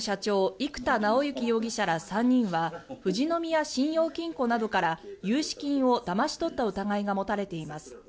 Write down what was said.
生田尚之容疑者ら３人は富士宮信用金庫などから融資金をだまし取った疑いが持たれています。